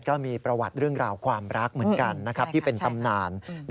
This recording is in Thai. ก็มีประวัติเรื่องราวความรักเหมือนกันที่เป็นตำนาน